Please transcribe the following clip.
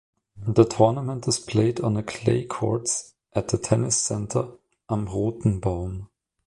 The tournament is played on clay courts at the tennis center "Am Rothenbaum".